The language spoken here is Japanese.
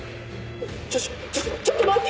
ちょちょっちょっと待ってください！